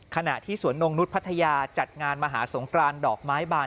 ขณะที่สวนนงนุษย์พัทยาจัดงานมหาสงครานดอกไม้บาน